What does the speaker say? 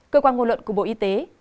cơ quan ngôn luận của bộ y tế